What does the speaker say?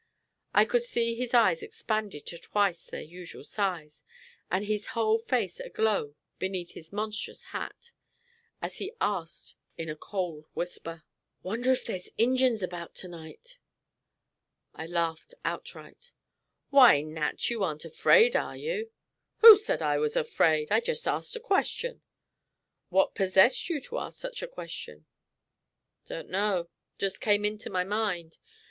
I could see his eyes expanded to twice their usual size, and his whole face aglow beneath his monstrous hat, as he asked in a cold whisper: "Wonder if there's Injins about to night." I laughed outright. "Why, Nat, you ain't afraid, are you?" "Who said I was afraid? I just asked a question." "What possessed you to ask such a question?" "Don't know; just come into my mind.